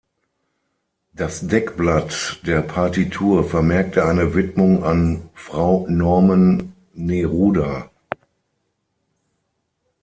Das Deckblatt der Partitur vermerkte eine Widmung an „Frau Norman-Neruda“.